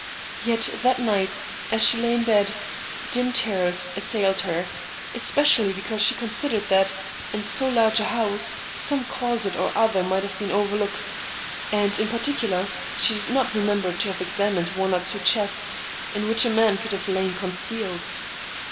Yet that night, as she lay in bed, dim terrors as sailed her, especially because she considered that, in so large a house, some closet or other might have been overlooked, and, in particular, she did not remember to have examined one or two chests, in which a man could have lain concealed.